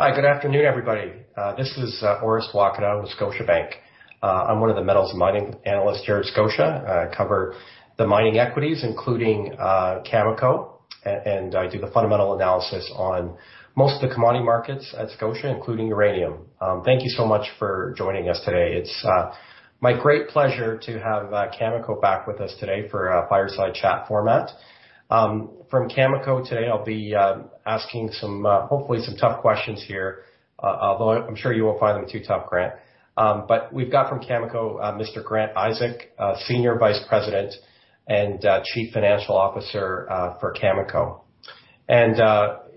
Hi, good afternoon, everybody. This is Orest Wowkodaw with Scotiabank. I'm one of the metals and mining analysts here at Scotia. I cover the mining equities, including Cameco, and I do the fundamental analysis on most of the commodity markets at Scotia, including uranium. Thank you so much for joining us today. It's my great pleasure to have Cameco back with us today for a fireside chat format. From Cameco today, I'll be asking some hopefully some tough questions here, although I'm sure you won't find them too tough, Grant. We've got from Cameco, Mr. Grant Isaac, Senior Vice President and Chief Financial Officer for Cameco.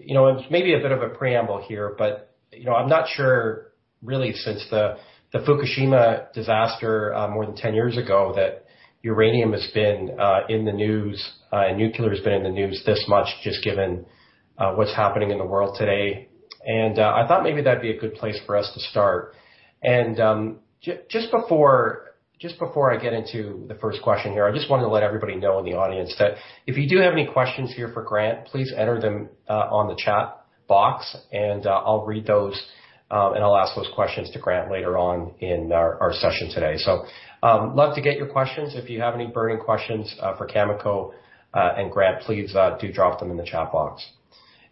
You know, it's maybe a bit of a preamble here, but, you know, I'm not sure really since the Fukushima disaster, more than 10 years ago, that uranium has been in the news, and nuclear has been in the news this much just given what's happening in the world today. I thought maybe that'd be a good place for us to start. Just before I get into the first question here, I just wanna let everybody know in the audience that if you do have any questions here for Grant, please enter them on the chat box, and I'll read those, and I'll ask those questions to Grant later on in our session today. Love to get your questions. If you have any burning questions for Cameco and Grant, please do drop them in the chat box.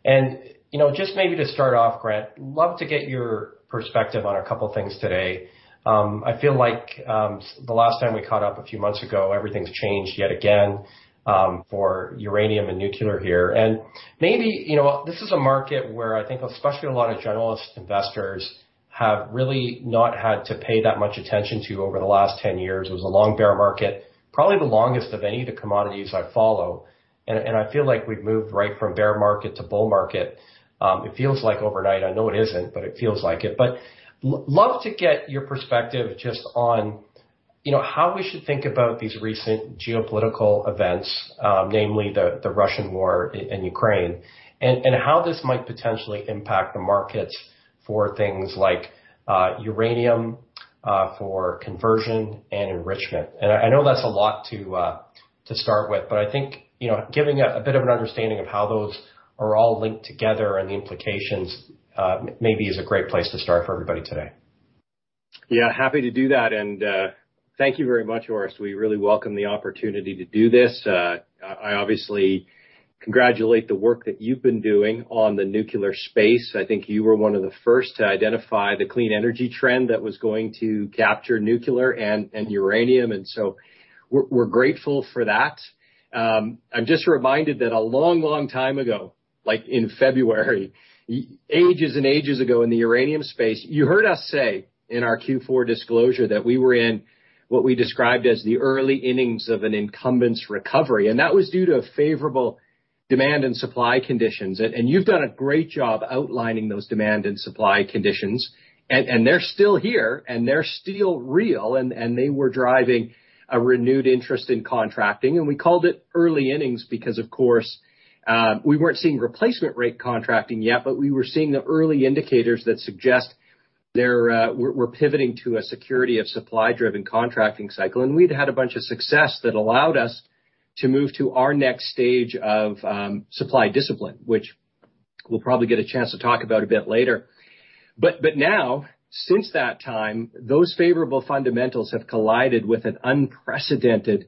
You know, just maybe to start off, Grant, love to get your perspective on a couple things today. I feel like the last time we caught up a few months ago, everything's changed yet again for uranium and nuclear here. Maybe, you know what? This is a market where I think especially a lot of generalist investors have really not had to pay that much attention to over the last 10 years. It was a long bear market, probably the longest of any of the commodities I follow, and I feel like we've moved right from bear market to bull market. It feels like overnight. I know it isn't, but it feels like it. Love to get your perspective just on, you know, how we should think about these recent geopolitical events, namely the Russian war in Ukraine, and how this might potentially impact the markets for things like uranium for conversion and enrichment. I know that's a lot to start with, but I think, you know, giving a bit of an understanding of how those are all linked together and the implications, maybe is a great place to start for everybody today. Yeah, happy to do that. Thank you very much, Orest. We really welcome the opportunity to do this. I obviously congratulate the work that you've been doing on the nuclear space. I think you were one of the first to identify the clean energy trend that was going to capture nuclear and uranium, and so we're grateful for that. I'm just reminded that a long, long time ago, like in February, ages and ages ago in the uranium space, you heard us say in our Q4 disclosure that we were in what we described as the early innings of an incumbents' recovery, and that was due to favorable demand and supply conditions. You've done a great job outlining those demand and supply conditions. They're still here, and they're still real, and they were driving a renewed interest in contracting. We called it early innings because, of course, we weren't seeing replacement rate contracting yet, but we were seeing the early indicators that suggest we're pivoting to a security of supply-driven contracting cycle. We'd had a bunch of success that allowed us to move to our next stage of supply discipline, which we'll probably get a chance to talk about a bit later. Now, since that time, those favorable fundamentals have collided with an unprecedented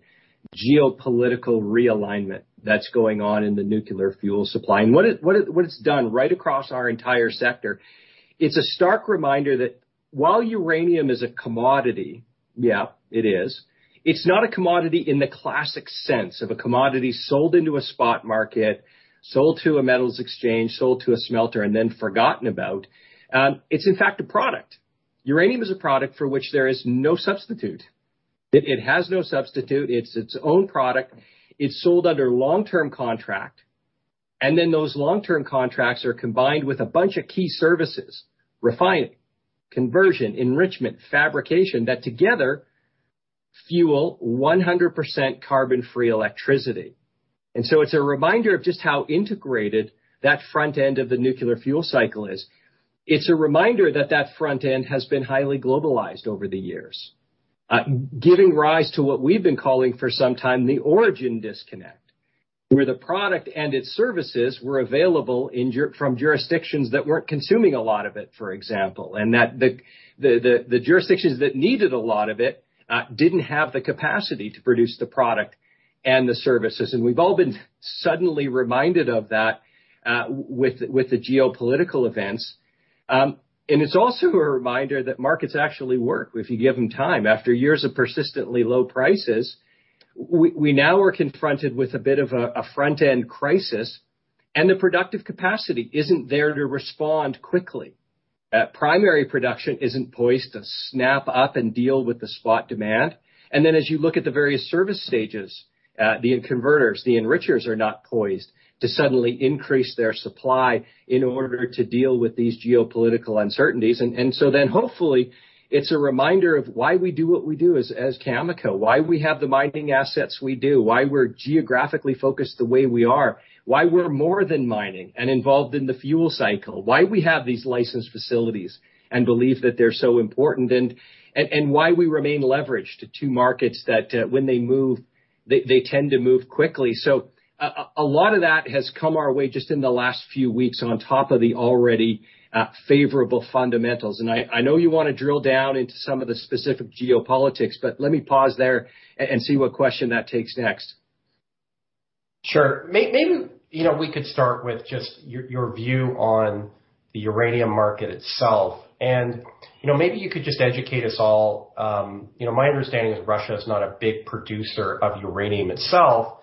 geopolitical realignment that's going on in the nuclear fuel supply. What it's done right across our entire sector, it's a stark reminder that while uranium is a commodity, yeah, it is. It's not a commodity in the classic sense of a commodity sold into a spot market, sold to a metals exchange, sold to a smelter, and then forgotten about. It's in fact a product. Uranium is a product for which there is no substitute. It has no substitute. It's its own product. It's sold under long-term contract, and then those long-term contracts are combined with a bunch of key services: refining, conversion, enrichment, fabrication, that together fuel 100% carbon-free electricity. It's a reminder of just how integrated that front end of the nuclear fuel cycle is. It's a reminder that the front end has been highly globalized over the years, giving rise to what we've been calling for some time the origin disconnect, where the product and its services were available from jurisdictions that weren't consuming a lot of it, for example. That the jurisdictions that needed a lot of it didn't have the capacity to produce the product and the services. We've all been suddenly reminded of that with the geopolitical events. It's also a reminder that markets actually work if you give them time. After years of persistently low prices, we now are confronted with a bit of a front-end crisis, and the productive capacity isn't there to respond quickly. Primary production isn't poised to snap up and deal with the spot demand. As you look at the various service stages, the converters, the enrichers are not poised to suddenly increase their supply in order to deal with these geopolitical uncertainties. Hopefully, it's a reminder of why we do what we do as Cameco, why we have the mining assets we do, why we're geographically focused the way we are, why we're more than mining and involved in the fuel cycle, why we have these licensed facilities and believe that they're so important and why we remain leveraged to two markets that, when they move, they tend to move quickly. A lot of that has come our way just in the last few weeks on top of the already favorable fundamentals. I know you wanna drill down into some of the specific geopolitics, but let me pause there and see what question that takes next. Sure. Maybe you know, we could start with just your view on the uranium market itself. You know, maybe you could just educate us all. You know, my understanding is Russia is not a big producer of uranium itself,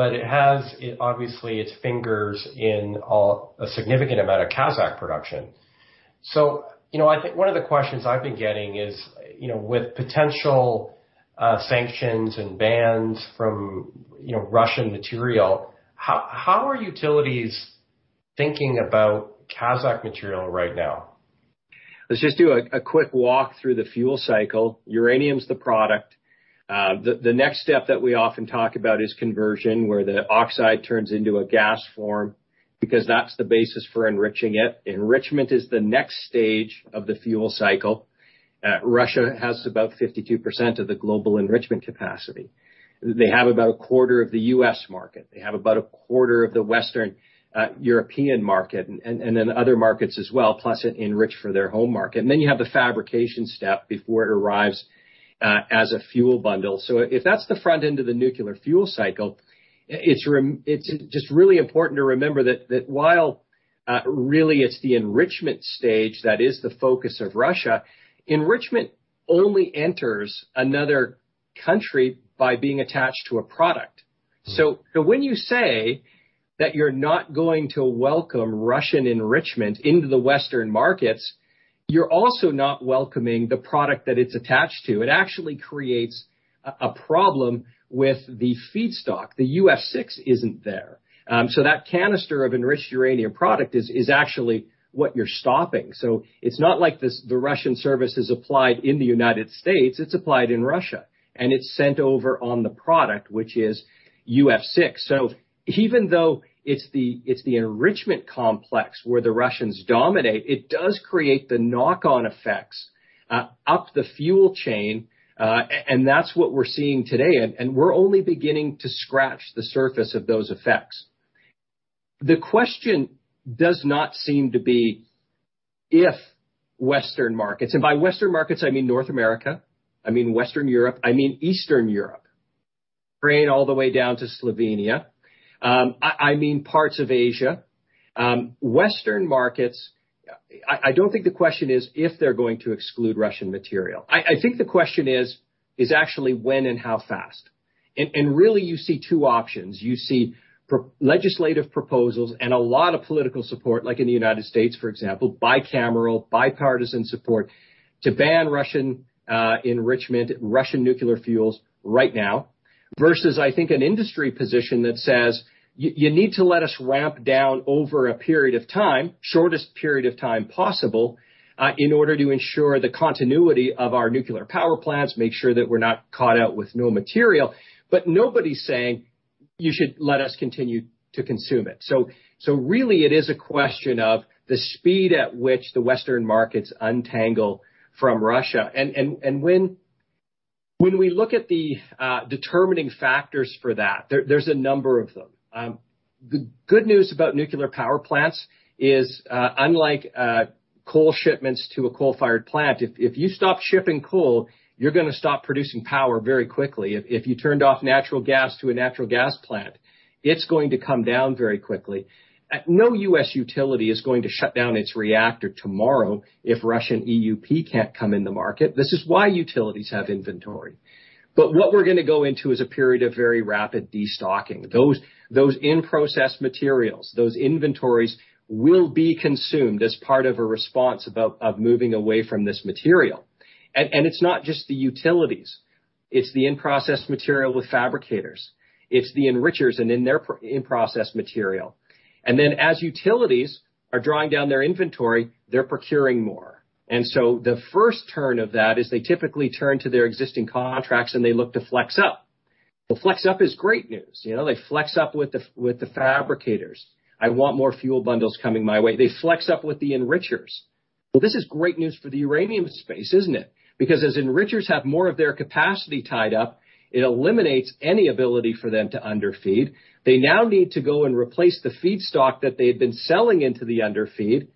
but it obviously has its fingers in a significant amount of Kazakh production. You know, I think one of the questions I've been getting is, you know, with potential sanctions and bans from Russian material, how are utilities thinking about Kazakh material right now? Let's just do a quick walk through the fuel cycle. Uranium's the product. The next step that we often talk about is conversion, where the oxide turns into a gas form because that's the basis for enriching it. Enrichment is the next stage of the fuel cycle. Russia has about 52% of the global enrichment capacity. They have about 25% of the U.S. market. They have about 25% of the Western European market, and then other markets as well, plus enrich for their home market. You have the fabrication step before it arrives as a fuel bundle. If that's the front end of the nuclear fuel cycle, it's just really important to remember that while really it's the enrichment stage that is the focus of Russia, enrichment only enters another country by being attached to a product. So when you say that you're not going to welcome Russian enrichment into the Western markets, you're also not welcoming the product that it's attached to. It actually creates a problem with the feedstock. The UF6 isn't there. So that canister of enriched uranium product is actually what you're stopping. So it's not like the Russian service is applied in the United States. It's applied in Russia, and it's sent over on the product, which is UF6. Even though it's the enrichment complex where the Russians dominate, it does create the knock-on effects up the fuel chain, and that's what we're seeing today, and we're only beginning to scratch the surface of those effects. The question does not seem to be if Western markets, and by Western markets, I mean North America, I mean Western Europe, I mean Eastern Europe, Ukraine all the way down to Slovenia, I mean parts of Asia. Western markets, I don't think the question is if they're going to exclude Russian material. I think the question is actually when and how fast. Really you see two options. You see legislative proposals and a lot of political support, like in the United States, for example, bicameral, bipartisan support to ban Russian enrichment, Russian nuclear fuels right now versus, I think, an industry position that says you need to let us ramp down over a period of time, shortest period of time possible, in order to ensure the continuity of our nuclear power plants, make sure that we're not caught out with no material. But nobody's saying you should let us continue to consume it. So really it is a question of the speed at which the Western markets untangle from Russia. When we look at the determining factors for that, there's a number of them. The good news about nuclear power plants is, unlike coal shipments to a coal-fired plant, if you stop shipping coal, you're gonna stop producing power very quickly. If you turned off natural gas to a natural gas plant, it's going to come down very quickly. No U.S. utility is going to shut down its reactor tomorrow if Russian EUP can't come in the market. This is why utilities have inventory. What we're gonna go into is a period of very rapid destocking. Those in-process materials, those inventories will be consumed as part of a response of moving away from this material. It's not just the utilities. It's the in-process material with fabricators. It's the enrichers and then their in-process material. Then as utilities are drawing down their inventory, they're procuring more. The first turn of that is they typically turn to their existing contracts, and they look to flex up. Well, flex up is great news. You know, they flex up with the, with the fabricators. I want more fuel bundles coming my way. They flex up with the enrichers. Well, this is great news for the uranium space, isn't it? Because as enrichers have more of their capacity tied up, it eliminates any ability for them to underfeed. They now need to go and replace the feedstock that they had been selling into the underfeed.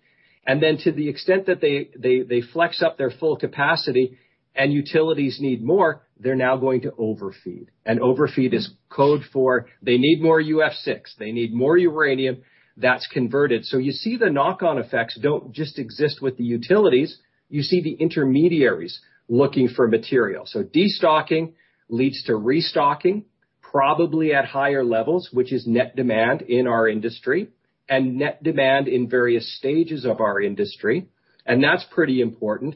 Then to the extent that they flex up their full capacity and utilities need more, they're now going to overfeed. Overfeed is code for they need more UF6. They need more uranium that's converted. You see the knock-on effects don't just exist with the utilities. You see the intermediaries looking for material. Destocking leads to restocking, probably at higher levels, which is net demand in our industry and net demand in various stages of our industry, and that's pretty important.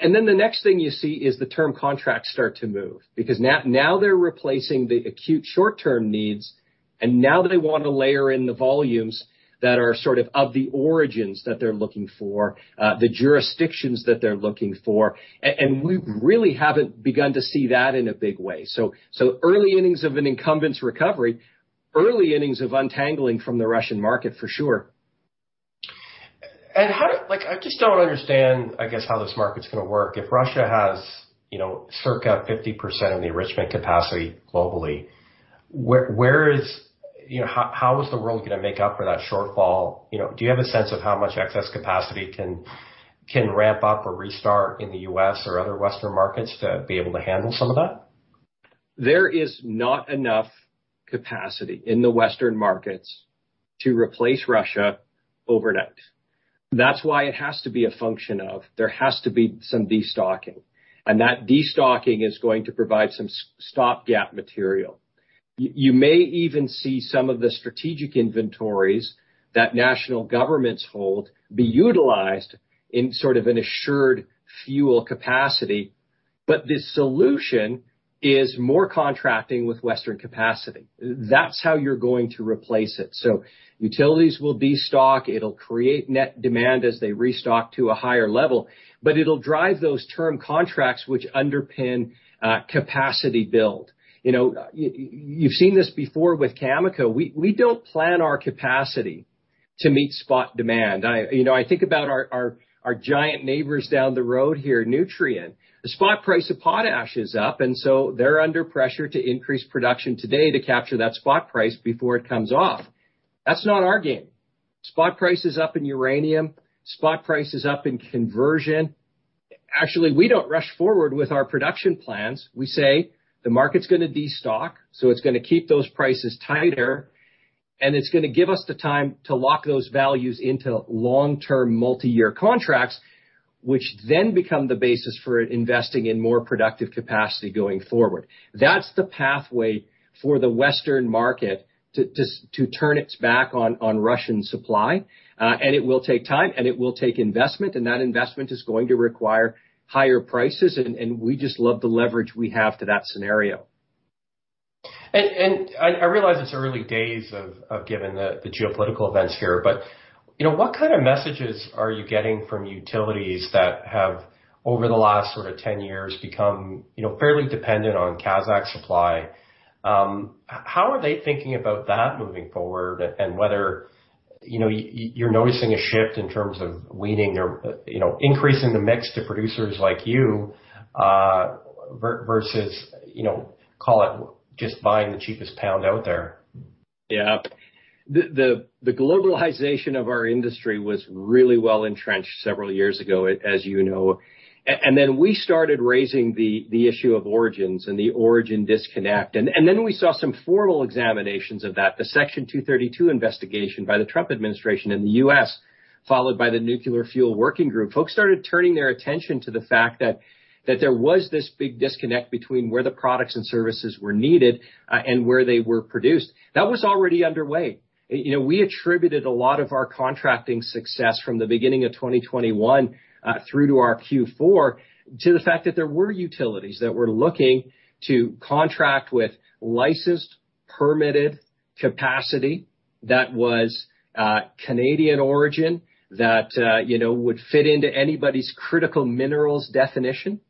And then the next thing you see is the term contracts start to move because now they're replacing the acute short-term needs, and now they wanna layer in the volumes that are sort of of the origins that they're looking for, the jurisdictions that they're looking for. And we really haven't begun to see that in a big way. Early innings of an incumbents recovery, early innings of untangling from the Russian market for sure. Like, I just don't understand, I guess, how this market's gonna work. If Russia has, you know, circa 50% of the enrichment capacity globally, where is the world gonna make up for that shortfall? You know, do you have a sense of how much excess capacity can ramp up or restart in the U.S. or other Western markets to be able to handle some of that? There is not enough capacity in the Western markets to replace Russia overnight. That's why it has to be a function of there has to be some destocking, and that destocking is going to provide some stopgap material. You may even see some of the strategic inventories that national governments hold be utilized in sort of an assured fuel capacity. The solution is more contracting with Western capacity. That's how you're going to replace it. Utilities will destock. It'll create net demand as they restock to a higher level, but it'll drive those term contracts which underpin capacity build. You know, you've seen this before with Cameco. We don't plan our capacity to meet spot demand. You know, I think about our giant neighbors down the road here, Nutrien. The spot price of potash is up, and so they're under pressure to increase production today to capture that spot price before it comes off. That's not our game. Spot price is up in uranium. Spot price is up in conversion. Actually, we don't rush forward with our production plans. We say the market's gonna destock, so it's gonna keep those prices tighter, and it's gonna give us the time to lock those values into long-term multi-year contracts, which then become the basis for investing in more productive capacity going forward. That's the pathway for the Western market to turn its back on Russian supply. It will take time, and it will take investment, and that investment is going to require higher prices, and we just love the leverage we have to that scenario. I realize it's early days given the geopolitical events here, but you know, what kind of messages are you getting from utilities that have, over the last sort of 10 years, become, you know, fairly dependent on Kazakh supply? How are they thinking about that moving forward and whether, you know, you're noticing a shift in terms of weaning or, you know, increasing the mix to producers like you versus, you know, call it just buying the cheapest pound out there? Yeah. The globalization of our industry was really well entrenched several years ago, as you know. We started raising the issue of origins and the origin disconnect. We saw some formal examinations of that, the Section 232 investigation by the Trump administration in the U.S., followed by the Nuclear Fuel Working Group. Folks started turning their attention to the fact that there was this big disconnect between where the products and services were needed, and where they were produced. That was already underway. You know, we attributed a lot of our contracting success from the beginning of 2021 through to our Q4 to the fact that there were utilities that were looking to contract with licensed, permitted capacity that was Canadian origin that you know, would fit into anybody's critical minerals definition.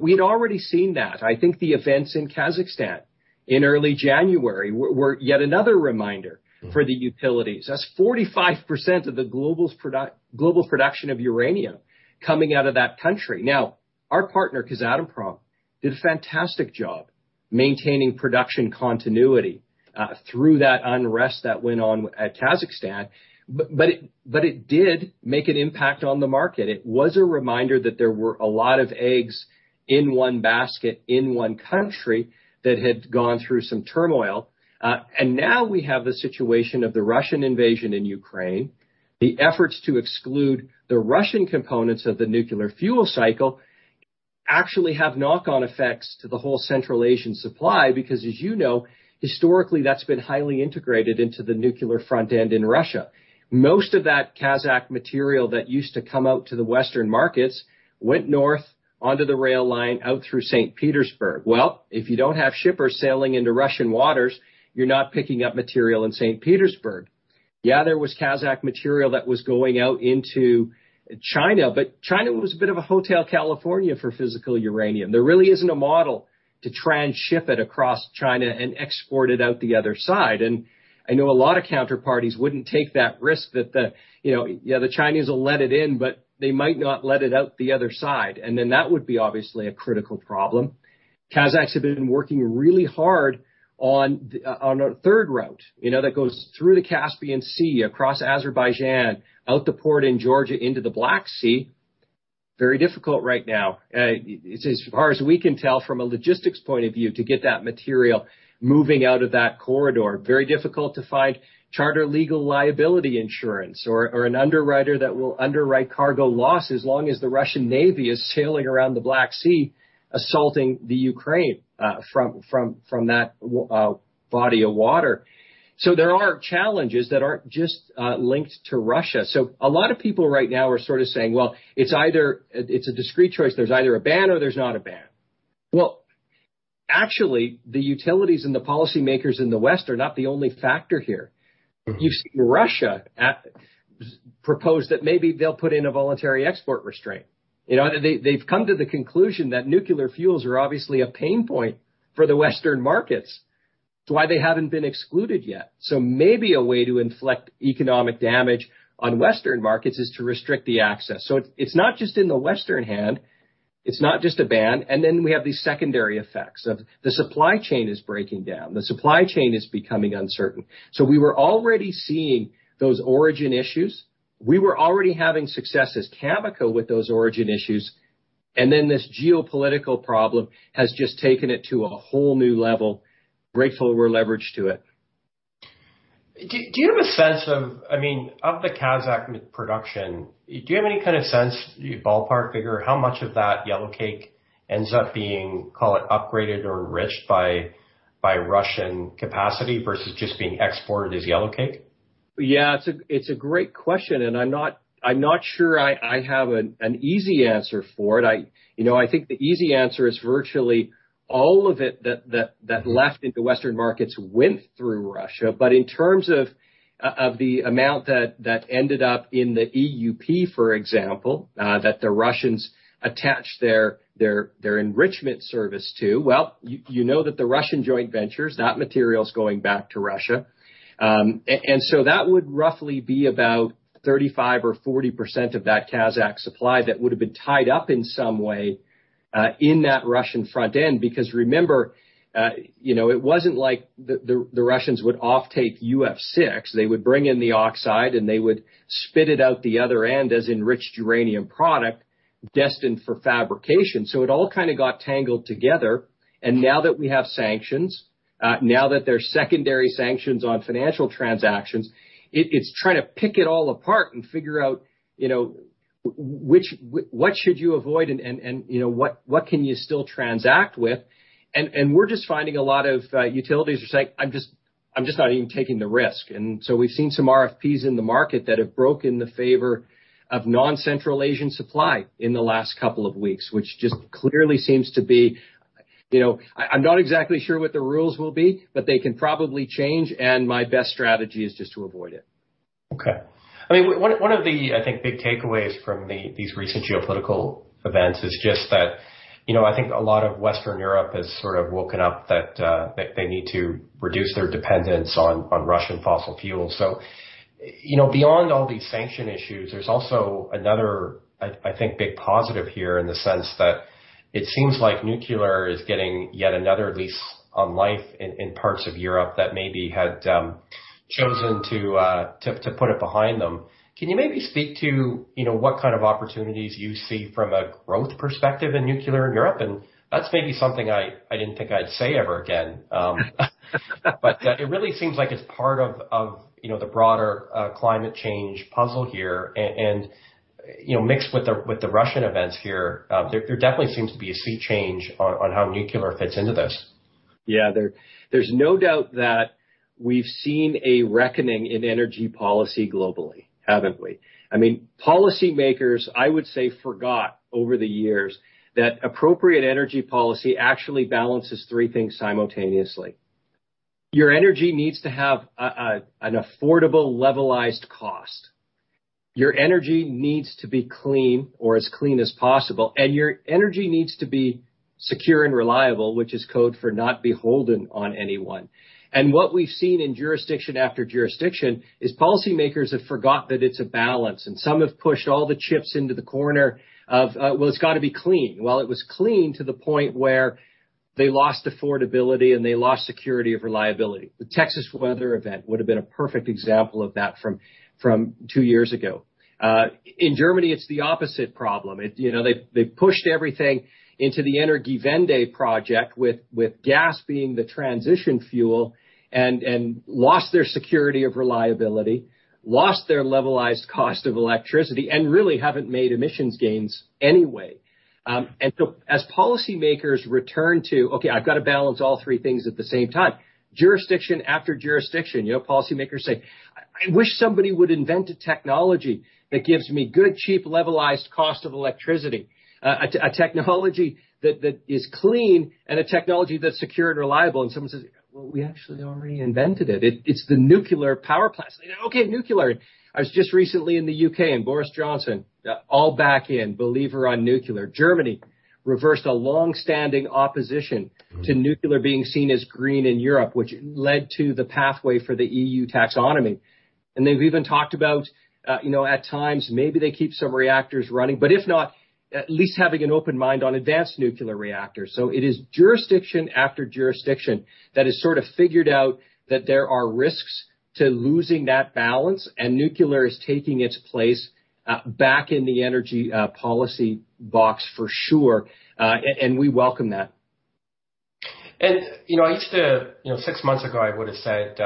We'd already seen that. I think the events in Kazakhstan in early January were yet another reminder. Mm-hmm. For the utilities. That's 45% of the global production of uranium coming out of that country. Now, our partner, Kazatomprom, did a fantastic job maintaining production continuity through that unrest that went on at Kazakhstan, but it did make an impact on the market. It was a reminder that there were a lot of eggs in one basket in one country that had gone through some turmoil. Now we have the situation of the Russian invasion in Ukraine. The efforts to exclude the Russian components of the nuclear fuel cycle actually have knock-on effects to the whole Central Asian supply, because as you know, historically, that's been highly integrated into the nuclear front end in Russia. Most of that Kazakh material that used to come out to the Western markets went north onto the rail line out through St. Petersburg. Well, if you don't have shippers sailing into Russian waters, you're not picking up material in St. Petersburg. Yeah, there was Kazakh material that was going out into China, but China was a bit of a Hotel California for physical uranium. There really isn't a model to transship it across China and export it out the other side. I know a lot of counterparties wouldn't take that risk that the, you know. Yeah, the Chinese will let it in, but they might not let it out the other side. That would be obviously a critical problem. Kazakhs have been working really hard on a third route, you know, that goes through the Caspian Sea, across Azerbaijan, out the port in Georgia into the Black Sea. Very difficult right now, as far as we can tell from a logistics point of view, to get that material moving out of that corridor. Very difficult to find charter legal liability insurance or an underwriter that will underwrite cargo loss as long as the Russian Navy is sailing around the Black Sea, assaulting Ukraine from that body of water. There are challenges that aren't just linked to Russia. A lot of people right now are sort of saying, "Well, it's either. It's a discrete choice. There's either a ban or there's not a ban." Well, actually, the utilities and the policymakers in the West are not the only factor here. Mm-hmm. You've seen Russia propose that maybe they'll put in a voluntary export restraint. You know, they've come to the conclusion that nuclear fuels are obviously a pain point for the Western markets. It's why they haven't been excluded yet. Maybe a way to inflect economic damage on Western markets is to restrict the access. It's not just in the Western hand, it's not just a ban, and then we have these secondary effects of the supply chain is breaking down. The supply chain is becoming uncertain. We were already seeing those origin issues. We were already having success as Cameco with those origin issues, and then this geopolitical problem has just taken it to a whole new level. Grateful we're leveraged to it. Do you have a sense of, I mean, of the Kazakh production, do you have any kind of sense, ballpark figure, how much of that yellowcake ends up being, call it, upgraded or enriched by Russian capacity versus just being exported as yellowcake? Yeah. It's a great question, and I'm not sure I have an easy answer for it. You know, I think the easy answer is virtually all of it that left into Western markets went through Russia. In terms of the amount that ended up in the EUP, for example, that the Russians attached their enrichment service to, well, you know that the Russian joint ventures, that material is going back to Russia. That would roughly be about 35%-40% of that Kazakh supply that would've been tied up in some way in that Russian front end. Because remember, you know, it wasn't like the Russians would offtake UF6. They would bring in the oxide, and they would spit it out the other end as enriched uranium product destined for fabrication. It all kind of got tangled together, and now that there are secondary sanctions on financial transactions, it's trying to pick it all apart and figure out, you know, what should you avoid and, you know, what can you still transact with? We're just finding a lot of utilities are saying, "I'm just not even taking the risk." We've seen some RFPs in the market that have broken in favor of non-Central Asian supply in the last couple of weeks, which just clearly seems to be, I'm not exactly sure what the rules will be, but they can probably change, and my best strategy is just to avoid it. Okay. I mean, one of the, I think, big takeaways from these recent geopolitical events is just that, you know, I think a lot of Western Europe has sort of woken up that they need to reduce their dependence on Russian fossil fuel. You know, beyond all these sanction issues, there's also another, I think, big positive here in the sense that it seems like nuclear is getting yet another lease on life in parts of Europe that maybe had chosen to put it behind them. Can you maybe speak to, you know, what kind of opportunities you see from a growth perspective in nuclear in Europe? That's maybe something I didn't think I'd say ever again. It really seems like it's part of, you know, the broader, climate change puzzle here. You know, mixed with the Russian events here, there definitely seems to be a sea change on how nuclear fits into this. Yeah. There's no doubt that we've seen a reckoning in energy policy globally, haven't we? I mean, policymakers, I would say, forgot over the years that appropriate energy policy actually balances three things simultaneously. Your energy needs to have an affordable levelized cost. Your energy needs to be clean or as clean as possible, and your energy needs to be secure and reliable, which is code for not beholden on anyone. What we've seen in jurisdiction after jurisdiction is policymakers have forgot that it's a balance, and some have pushed all the chips into the corner of, well, it's gotta be clean. Well, it was clean to the point where they lost affordability, and they lost security of reliability. The Texas weather event would've been a perfect example of that from two years ago. In Germany, it's the opposite problem. You know, they've pushed everything into the Energiewende project with gas being the transition fuel and lost their security of reliability, lost their levelized cost of electricity, and really haven't made emissions gains anyway. As policymakers return to, okay, I've gotta balance all three things at the same time, jurisdiction after jurisdiction, you know, policymakers say, "I wish somebody would invent a technology that gives me good, cheap, levelized cost of electricity, a technology that is clean and a technology that's secure and reliable." Someone says, "Well, we actually already invented it. It's the nuclear power plants." They know, okay, nuclear. I was just recently in the U.K., and Boris Johnson, all-in believer on nuclear. Germany reversed a long-standing opposition. Mm. To nuclear being seen as green in Europe, which led to the pathway for the EU Taxonomy. They've even talked about, you know, at times maybe they keep some reactors running, but if not, at least having an open mind on advanced nuclear reactors. It is jurisdiction after jurisdiction that has sort of figured out that there are risks to losing that balance, and nuclear is taking its place, back in the energy policy box for sure. And we welcome that. You know, I used to, you know, 6 months ago, I would've said,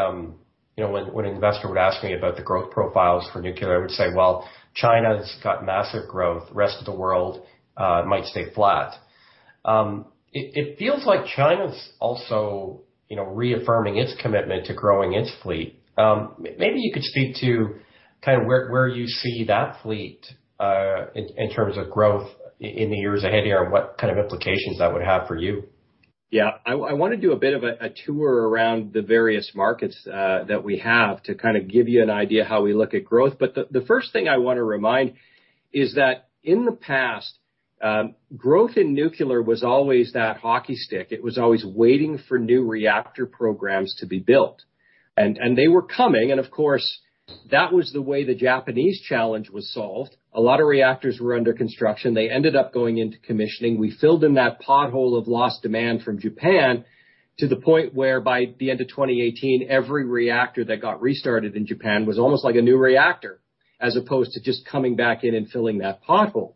you know, when an investor would ask me about the growth profiles for nuclear, I would say, "Well, China's got massive growth. The rest of the world might stay flat." It feels like China's also, you know, reaffirming its commitment to growing its fleet. Maybe you could speak to kind of where you see that fleet in terms of growth in the years ahead here and what kind of implications that would have for you. Yeah. I wanna do a bit of a tour around the various markets that we have to kind of give you an idea how we look at growth. The first thing I wanna remind is that in the past, growth in nuclear was always that hockey stick. It was always waiting for new reactor programs to be built. They were coming, and of course, that was the way the Japanese challenge was solved. A lot of reactors were under construction. They ended up going into commissioning. We filled in that pothole of lost demand from Japan to the point where by the end of 2018, every reactor that got restarted in Japan was almost like a new reactor. As opposed to just coming back in and filling that pothole.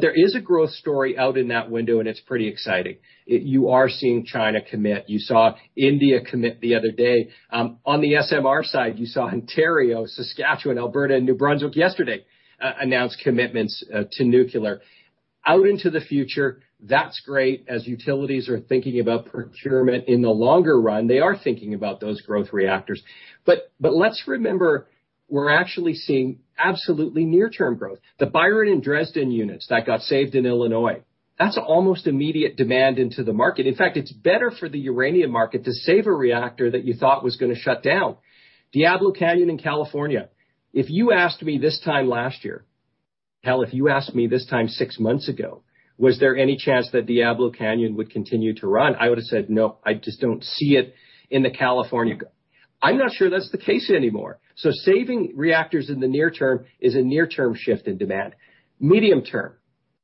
There is a growth story out in that window, and it's pretty exciting. You are seeing China commit. You saw India commit the other day. On the SMR side, you saw Ontario, Saskatchewan, Alberta, and New Brunswick yesterday announce commitments to nuclear. Out into the future, that's great as utilities are thinking about procurement in the longer run. They are thinking about those growth reactors. But let's remember, we're actually seeing absolutely near-term growth. The Byron and Dresden units that got saved in Illinois, that's almost immediate demand into the market. In fact, it's better for the uranium market to save a reactor that you thought was gonna shut down. Diablo Canyon in California, if you asked me this time last year, hell, if you asked me this time 6 months ago, was there any chance that Diablo Canyon would continue to run? I would've said no, I'm not sure that's the case anymore. Saving reactors in the near term is a near-term shift in demand. Medium term,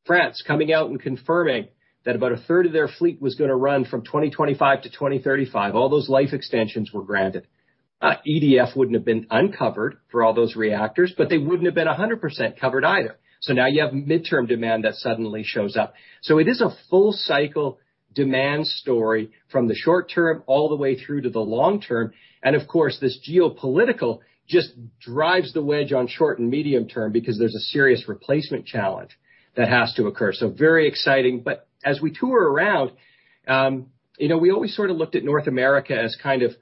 France coming out and confirming that about a third of their fleet was gonna run from 2025 to 2035, all those life extensions were granted. EDF wouldn't have been uncovered for all those reactors, but they wouldn't have been 100% covered either. Now you have midterm demand that suddenly shows up. It is a full cycle demand story from the short term all the way through to the long term. Of course, this geopolitical just drives the wedge on short and medium term because there's a serious replacement challenge that has to occur, so very exciting. As we tour around, you know, we always sort of looked at North America as kind of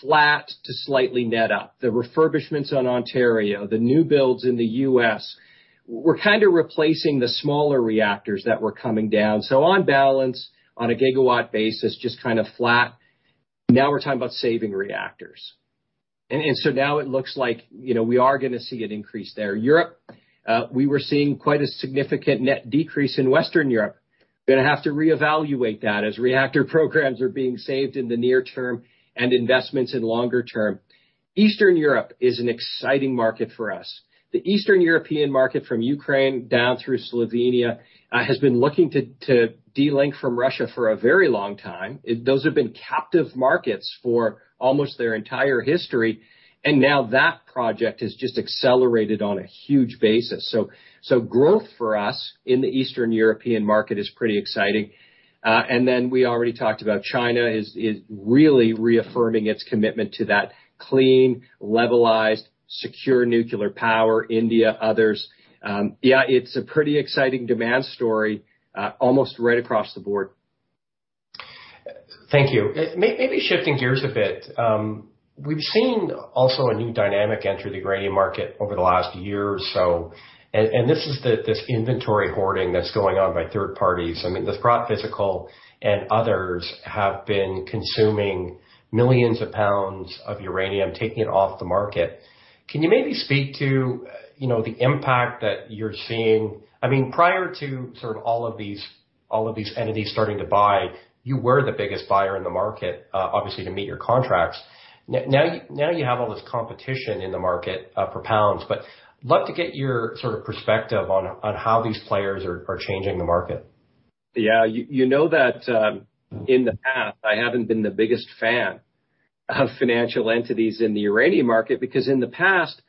flat to slightly net up. The refurbishments on Ontario, the new builds in the U.S. were kind of replacing the smaller reactors that were coming down. On balance, on a gigawatt basis, just kind of flat. Now we're talking about saving reactors. Now it looks like, you know, we are gonna see an increase there. In Europe, we were seeing quite a significant net decrease in Western Europe, gonna have to reevaluate that as reactor programs are being saved in the near term and investments in longer term. Eastern Europe is an exciting market for us. The Eastern European market from Ukraine down through Slovenia has been looking to delink from Russia for a very long time. Those have been captive markets for almost their entire history, and now that project has just accelerated on a huge basis. Growth for us in the Eastern European market is pretty exciting. We already talked about China is really reaffirming its commitment to that clean, levelized, secure nuclear power, India, others. Yeah, it's a pretty exciting demand story, almost right across the board. Thank you. Maybe shifting gears a bit, we've seen also a new dynamic enter the uranium market over the last year or so, and this is the inventory hoarding that's going on by third parties. I mean, the Sprott Physical and others have been consuming millions of pounds of uranium, taking it off the market. Can you maybe speak to, you know, the impact that you're seeing? I mean, prior to sort of all of these entities starting to buy, you were the biggest buyer in the market, obviously to meet your contracts. Now you have all this competition in the market for pounds. Love to get your sort of perspective on how these players are changing the market. Yeah. You know that in the past, I haven't been the biggest fan of financial entities in the uranium market because in the past,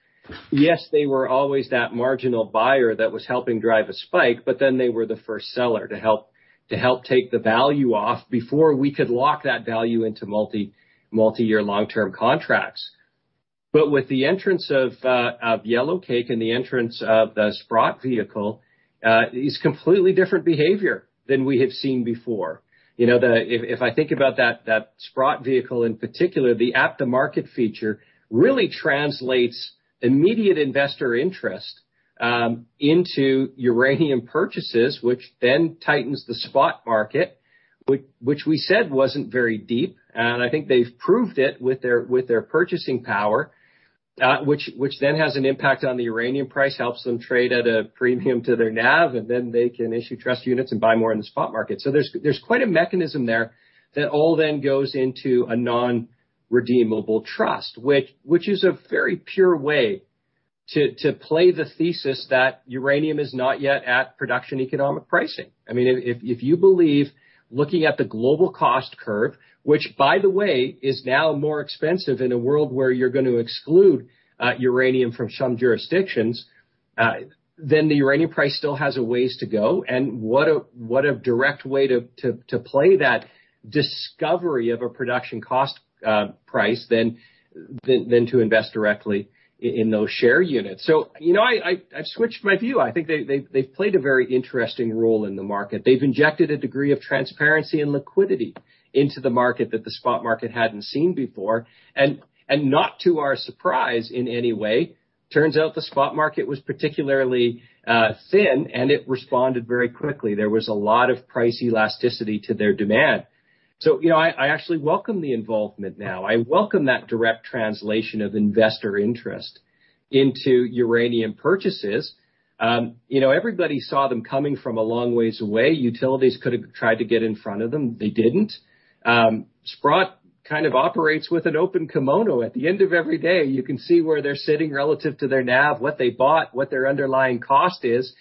yes, they were always that marginal buyer that was helping drive a spike, but then they were the first seller to help take the value off before we could lock that value into multiyear long-term contracts. With the entrance of Yellow Cake and the entrance of the Sprott vehicle is completely different behavior than we have seen before. You know, if I think about that Sprott vehicle in particular, the at-the-market feature really translates immediate investor interest into uranium purchases, which then tightens the spot market, which we said wasn't very deep. I think they've proved it with their purchasing power, which then has an impact on the uranium price, helps them trade at a premium to their NAV, and then they can issue trust units and buy more in the spot market. There's quite a mechanism there that all then goes into a non-redeemable trust, which is a very pure way to play the thesis that uranium is not yet at production economic pricing. I mean, if you believe looking at the global cost curve, which by the way, is now more expensive in a world where you're going to exclude uranium from some jurisdictions, then the uranium price still has a ways to go. What a direct way to play that discovery of a production cost price than to invest directly in those share units. I've switched my view. I think they've played a very interesting role in the market. They've injected a degree of transparency and liquidity into the market that the spot market hadn't seen before. Not to our surprise in any way, it turns out the spot market was particularly thin, and it responded very quickly. There was a lot of price elasticity to their demand. You know, I actually welcome the involvement now. I welcome that direct translation of investor interest into uranium purchases. You know, everybody saw them coming from a long ways away. Utilities could have tried to get in front of them. They didn't. Sprott kind of operates with an open kimono. At the end of every day, you can see where they're sitting relative to their NAV, what they bought, what their underlying cost is.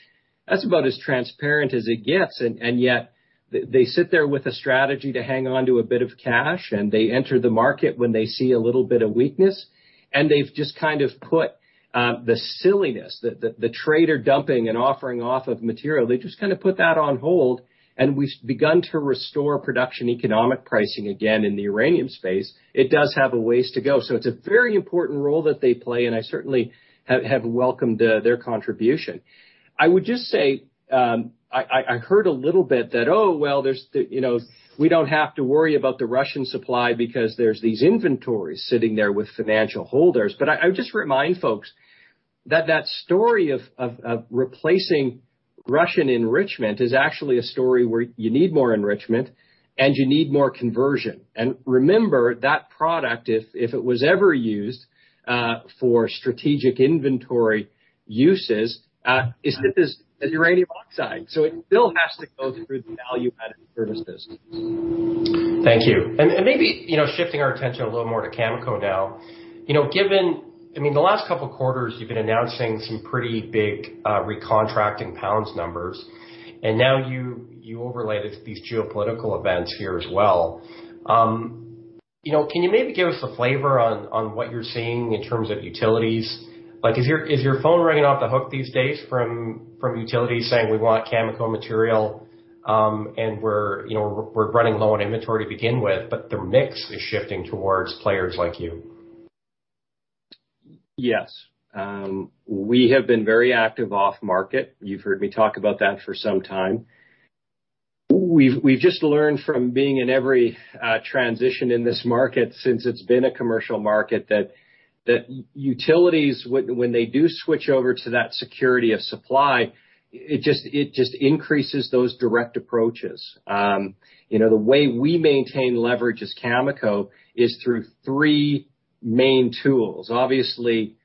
That's about as transparent as it gets and yet they sit there with a strategy to hang on to a bit of cash, and they enter the market when they see a little bit of weakness. They've just kind of put the silliness, the trader dumping and offering off of material, on hold, and we've begun to restore production economic pricing again in the uranium space. It does have a ways to go. It's a very important role that they play, and I certainly have welcomed their contribution. I would just say, I heard a little bit that, oh, well, there's, you know, we don't have to worry about the Russian supply because there's these inventories sitting there with financial holders. I would just remind folks that that story of replacing Russian enrichment is actually a story where you need more enrichment and you need more conversion. Remember, that product, if it was ever used for strategic inventory uses, is shipped as uranium oxide. It still has to go through the value-added services. Thank you. Maybe, you know, shifting our attention a little more to Cameco now. You know, given I mean, the last couple quarters you've been announcing some pretty big recontracting pounds numbers, and now you overlay it to these geopolitical events here as well. You know, can you maybe give us a flavor on what you're seeing in terms of utilities? Like, is your phone ringing off the hook these days from utilities saying, we want Cameco material, and we're, you know, we're running low on inventory to begin with, but their mix is shifting towards players like you? Yes. We have been very active off market. You've heard me talk about that for some time. We've just learned from being in every transition in this market since it's been a commercial market that utilities, when they do switch over to that security of supply, it just increases those direct approaches. You know, the way we maintain leverage as Cameco is through three main tools. Obviously,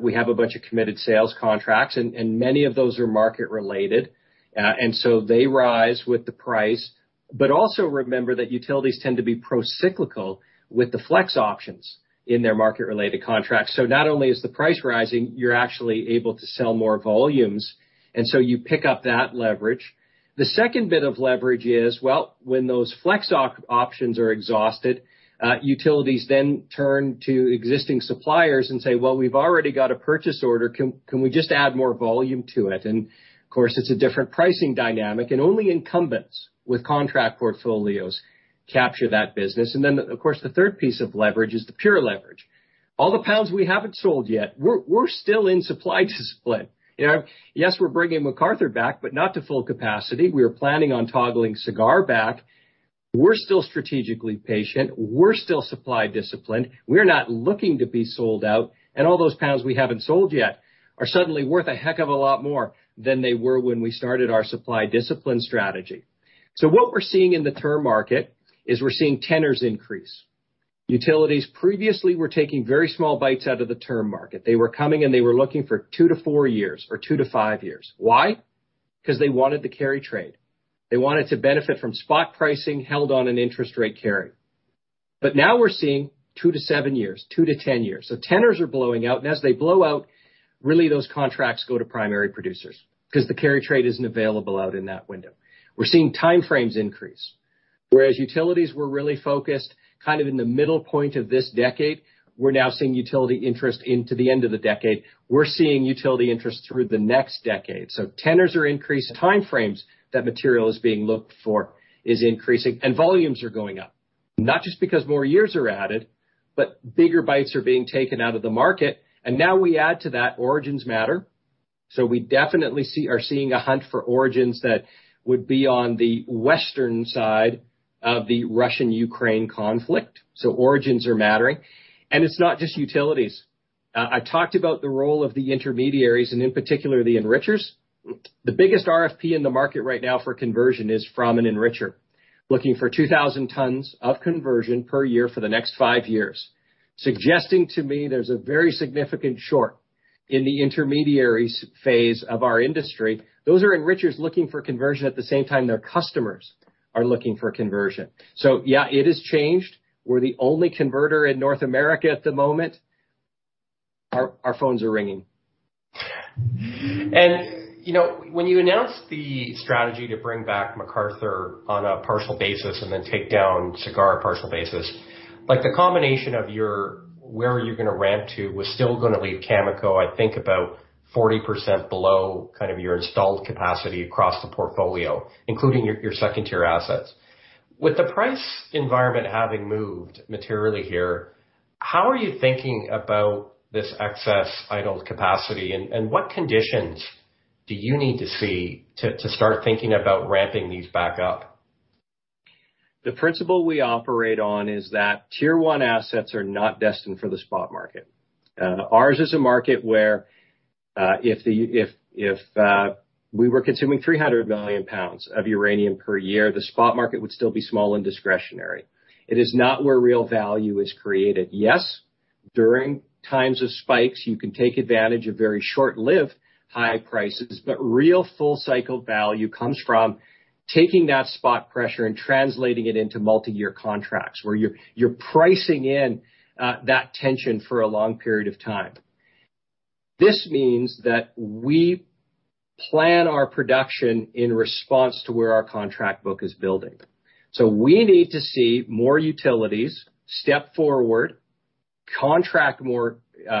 we have a bunch of committed sales contracts, and many of those are market related, and so they rise with the price. Remember that utilities tend to be procyclical with the flex options in their market-related contracts. Not only is the price rising, you're actually able to sell more volumes, and so you pick up that leverage. The second bit of leverage is, well, when those flex options are exhausted, utilities then turn to existing suppliers and say, "Well, we've already got a purchase order. Can we just add more volume to it?" Of course, it's a different pricing dynamic, and only incumbents with contract portfolios capture that business. Then, of course, the third piece of leverage is the pure leverage. All the pounds we haven't sold yet, we're still in supply discipline. You know, yes, we're bringing McArthur back, but not to full capacity. We are planning on toggling Cigar back. We're still strategically patient. We're still supply disciplined. We're not looking to be sold out, and all those pounds we haven't sold yet are suddenly worth a heck of a lot more than they were when we started our supply discipline strategy. What we're seeing in the term market is we're seeing tenors increase. Utilities previously were taking very small bites out of the term market. They were coming, and they were looking for 2-4 years or 2-5 years. Why? 'Cause they wanted the carry trade. They wanted to benefit from spot pricing held on an interest rate carry. Now we're seeing 2-7 years, 2-10 years. Tenors are blowing out, and as they blow out, really those contracts go to primary producers 'cause the carry trade isn't available out in that window. We're seeing time frames increase. Whereas utilities were really focused kind of in the middle point of this decade, we're now seeing utility interest into the end of the decade. We're seeing utility interest through the next decade. Tenors are increased, time frames that material is being looked for is increasing, and volumes are going up, not just because more years are added, but bigger bites are being taken out of the market. Now we add to that origins matter. We definitely see a hunt for origins that would be on the western side of the Russia-Ukraine conflict. Origins are mattering, and it's not just utilities. I talked about the role of the intermediaries, and in particular, the enrichers. The biggest RFP in the market right now for conversion is from an enricher looking for 2,000 tons of conversion per year for the next 5 years, suggesting to me there's a very significant short in the intermediary phase of our industry. Those are enrichers looking for conversion at the same time their customers are looking for conversion. Yeah, it has changed. We're the only converter in North America at the moment. Our phones are ringing. You know, when you announced the strategy to bring back McArthur on a partial basis and then take down Cigar partial basis, like the combination of your, where you're gonna ramp to was still gonna leave Cameco, I think, about 40% below kind of your installed capacity across the portfolio, including your second-tier assets. With the price environment having moved materially here, how are you thinking about this excess idled capacity, and what conditions do you need to see to start thinking about ramping these back up? The principle we operate on is that tier one assets are not destined for the spot market. Ours is a market where, if we were consuming 300 million pounds of uranium per year, the spot market would still be small and discretionary. It is not where real value is created. Yes, during times of spikes, you can take advantage of very short-lived high prices, but real full-cycle value comes from taking that spot pressure and translating it into multiyear contracts where you're pricing in that tension for a long period of time. This means that we plan our production in response to where our contract book is building. We need to see more utilities step forward, contract more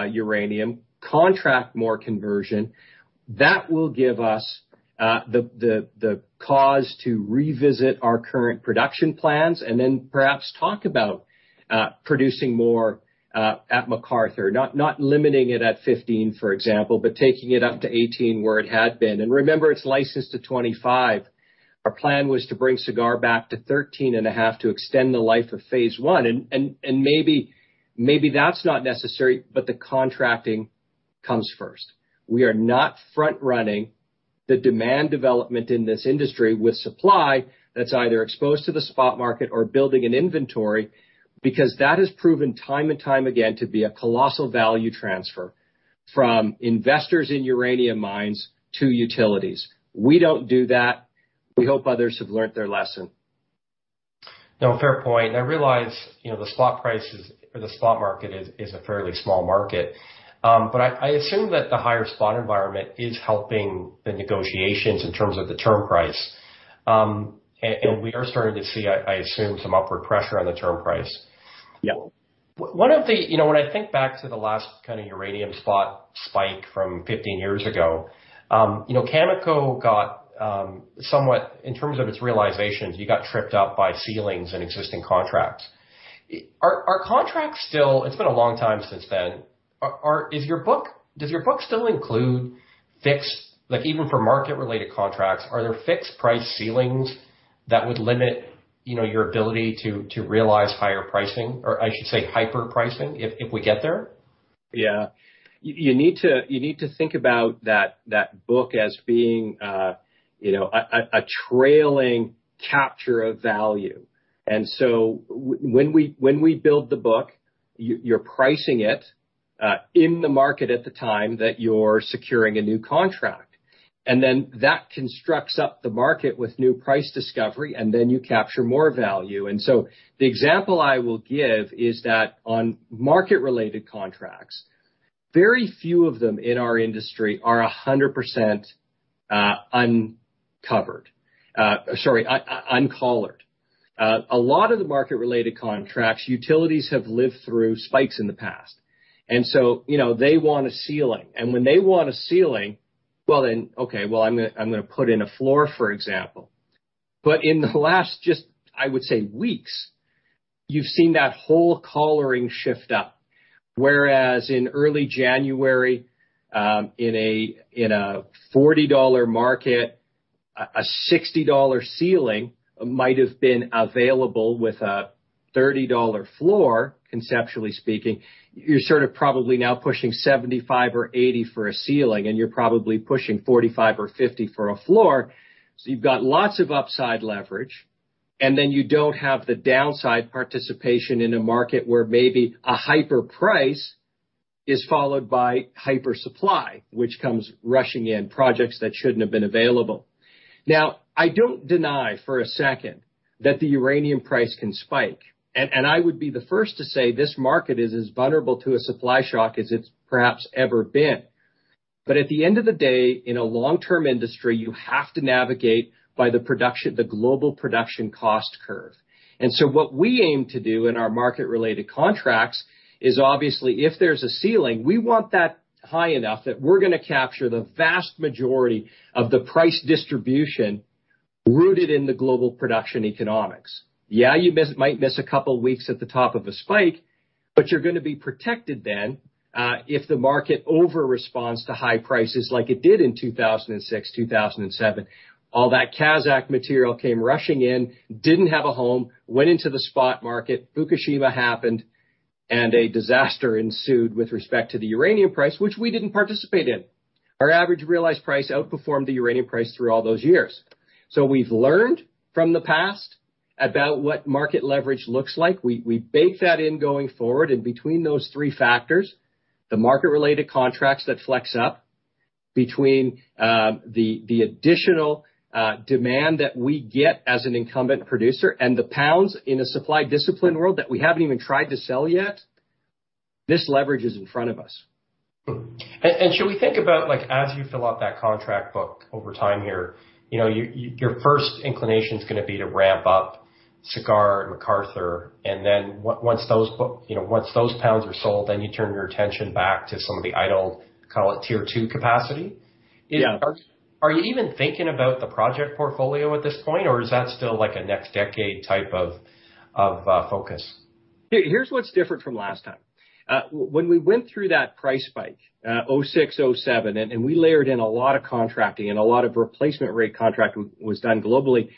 uranium, contract more conversion. That will give us the cause to revisit our current production plans and then perhaps talk about producing more at McArthur. Not limiting it at 15, for example, but taking it up to 18 where it had been. Remember, it's licensed to 25. Our plan was to bring Cigar back to 13.5 to extend the life of phase one, and maybe that's not necessary, but the contracting comes first. We are not front running the demand development in this industry with supply that's either exposed to the spot market or building an inventory, because that has proven time and time again to be a colossal value transfer from investors in uranium mines to utilities. We don't do that. We hope others have learned their lesson. No, fair point. I realize, you know, the spot prices or the spot market is a fairly small market. I assume that the higher spot environment is helping the negotiations in terms of the term price. We are starting to see, I assume, some upward pressure on the term price. Yeah. You know, when I think back to the last kind of uranium spot spike from 15 years ago, you know, Cameco got somewhat in terms of its realizations, you got tripped up by ceilings and existing contracts. Are contracts still? It's been a long time since then. Does your book still include fixed like even for market related contracts, are there fixed price ceilings that would limit, you know, your ability to realize higher pricing or I should say hyper pricing if we get there? Yeah. You need to think about that book as being, you know, a trailing capture of value. When we build the book, you're pricing it in the market at the time that you're securing a new contract, and then that constructs up the market with new price discovery, and then you capture more value. The example I will give is that on market related contracts, very few of them in our industry are 100% uncollared. A lot of the market related contracts, utilities have lived through spikes in the past, so, you know, they want a ceiling. When they want a ceiling, well then, okay, well, I'm gonna put in a floor, for example. In the last just, I would say, weeks, you've seen that whole collaring shift up. Whereas in early January, in a $40 market, a $60 ceiling might have been available with a $30 floor, conceptually speaking. You're sort of probably now pushing 75 or 80 for a ceiling, and you're probably pushing 45 or 50 for a floor. You've got lots of upside leverage, and then you don't have the downside participation in a market where maybe a higher price is followed by higher supply, which comes rushing in projects that shouldn't have been available. Now, I don't deny for a second that the uranium price can spike. I would be the first to say this market is as vulnerable to a supply shock as it's perhaps ever been. At the end of the day, in a long-term industry, you have to navigate by the production, the global production cost curve. What we aim to do in our market related contracts is obviously, if there's a ceiling, we want that high enough that we're gonna capture the vast majority of the price distribution rooted in the global production economics. Yeah, you might miss a couple weeks at the top of a spike, but you're gonna be protected then, if the market over responds to high prices like it did in 2006, 2007. All that Kazakh material came rushing in, didn't have a home, went into the spot market, Fukushima happened, and a disaster ensued with respect to the uranium price, which we didn't participate in. Our average realized price outperformed the uranium price through all those years. We've learned from the past about what market leverage looks like. We bake that in going forward. Between those three factors, the market related contracts that flex up between the additional demand that we get as an incumbent producer and the pounds in a supply discipline world that we haven't even tried to sell yet, this leverage is in front of us. Should we think about, like, as you fill out that contract book over time here, you know, your first inclination is gonna be to ramp up Cigar and McArthur, and then once those, you know, once those pounds are sold, then you turn your attention back to some of the idle, call it tier two capacity? Yeah. Are you even thinking about the project portfolio at this point, or is that still like a next decade type of focus? Here's what's different from last time. When we went through that price spike, 2006, 2007, and we layered in a lot of contracting and a lot of replacement rate contract was done globally,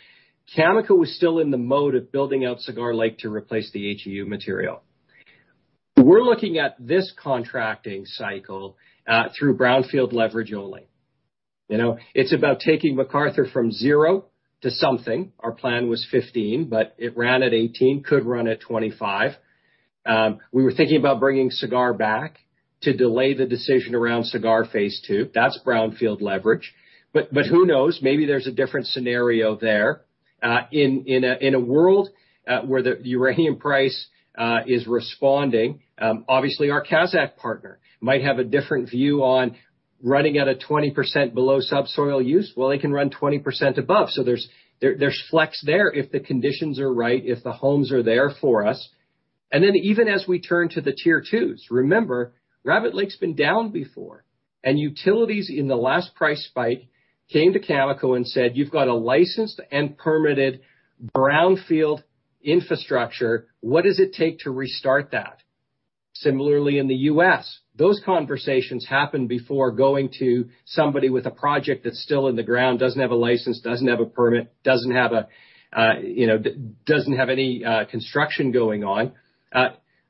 Cameco was still in the mode of building out Cigar Lake to replace the HEU material. We're looking at this contracting cycle, through brownfield leverage only. You know? It's about taking McArthur from zero to something. Our plan was 15, but it ran at 18, could run at 25. We were thinking about bringing Cigar back to delay the decision around Cigar phase two. That's brownfield leverage. Who knows? Maybe there's a different scenario there. In a world where the uranium price is responding, obviously our Kazakh partner might have a different view on running at a 20% below subsoil use. Well, they can run 20% above, so there's flex there if the conditions are right, if the homes are there for us. Then even as we turn to the tier twos, remember, Rabbit Lake's been down before. Utilities in the last price spike came to Cameco and said, "You've got a licensed and permitted brownfield infrastructure. What does it take to restart that?" Similarly in the U.S., those conversations happened before going to somebody with a project that's still in the ground, doesn't have a license, doesn't have a permit, doesn't have a, you know, doesn't have any construction going on.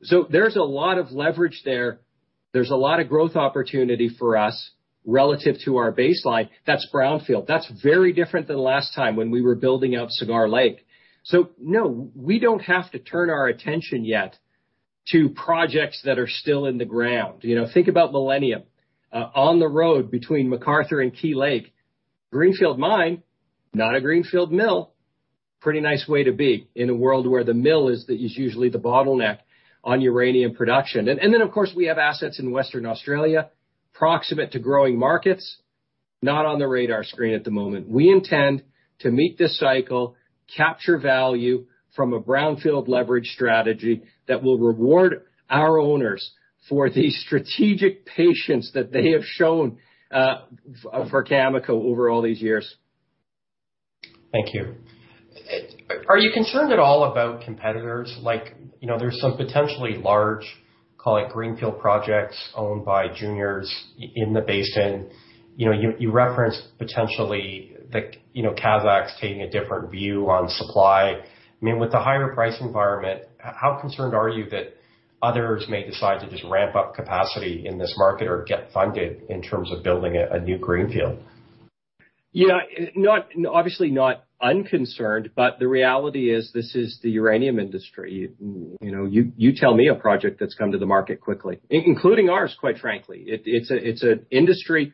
So there's a lot of leverage there. There's a lot of growth opportunity for us relative to our baseline. That's brownfield. That's very different than last time when we were building out Cigar Lake. No, we don't have to turn our attention yet to projects that are still in the ground. You know, think about Millennium. On the road between McArthur and Key Lake, greenfield mine, not a greenfield mill, pretty nice way to be in a world where the mill is usually the bottleneck on uranium production. And then, of course, we have assets in Western Australia, proximate to growing markets, not on the radar screen at the moment. We intend to meet this cycle, capture value from a brownfield leverage strategy that will reward our owners for the strategic patience that they have shown for Cameco over all these years. Thank you. Are you concerned at all about competitors? Like, you know, there's some potentially large, call it greenfield projects owned by juniors in the basin. You know, you referenced potentially the, you know, Kazakhs taking a different view on supply. I mean, with the higher price environment, how concerned are you that others may decide to just ramp up capacity in this market or get funded in terms of building a new greenfield? Yeah. Not obviously not unconcerned, but the reality is this is the uranium industry. You know, you tell me a project that's come to the market quickly, including ours, quite frankly. It's an industry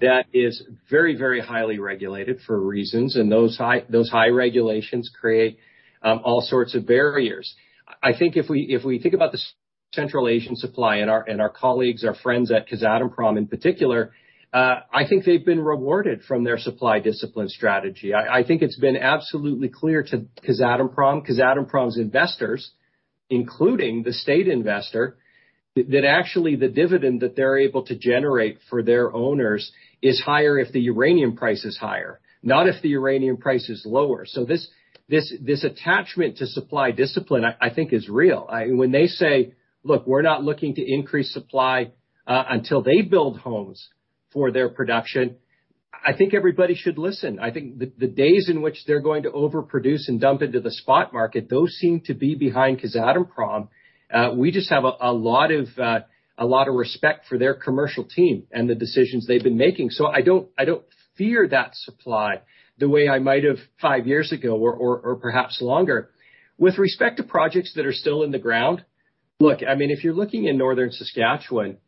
that is very, very highly regulated for reasons, and those high regulations create all sorts of barriers. I think if we think about the Central Asian supply and our colleagues, our friends at Kazatomprom in particular, I think they've been rewarded for their supply discipline strategy. I think it's been absolutely clear to Kazatomprom's investors, including the state investor, that actually the dividend that they're able to generate for their owners is higher if the uranium price is higher, not if the uranium price is lower. This attachment to supply discipline, I think is real. When they say, "Look, we're not looking to increase supply until they build homes for their production," I think everybody should listen. I think the days in which they're going to overproduce and dump into the spot market, those seem to be behind Kazatomprom. We just have a lot of respect for their commercial team and the decisions they've been making. I don't fear that supply the way I might have five years ago or perhaps longer. With respect to projects that are still in the ground, look, I mean, if you're looking in Northern Saskatchewan,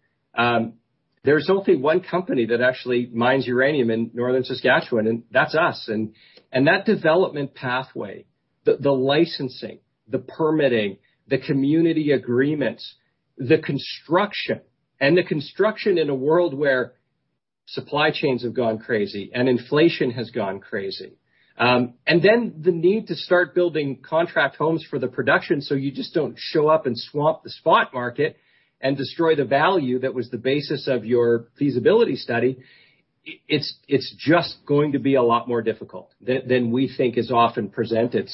there's only one company that actually mines uranium in Northern Saskatchewan, and that's us. That development pathway, the licensing, the permitting, the community agreements, the construction in a world where supply chains have gone crazy and inflation has gone crazy. Then the need to start building contract homes for the production so you just don't show up and swamp the spot market and destroy the value that was the basis of your feasibility study. It's just going to be a lot more difficult than we think is often presented.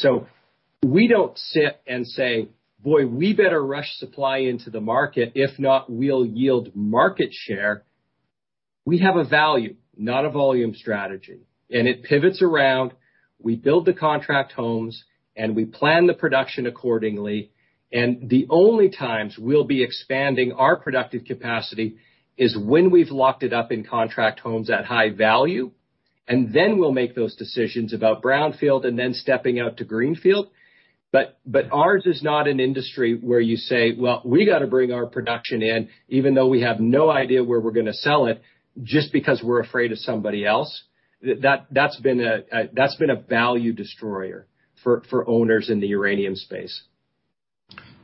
We don't sit and say, "Boy, we better rush supply into the market. If not, we'll yield market share." We have a value, not a volume strategy. It pivots around, we build the contract homes, and we plan the production accordingly. The only times we'll be expanding our productive capacity is when we've locked it up in contract homes at high value, and then we'll make those decisions about brownfield and then stepping out to greenfield. But ours is not an industry where you say, "Well, we gotta bring our production in, even though we have no idea where we're gonna sell it, just because we're afraid of somebody else." That's been a value destroyer for owners in the uranium space.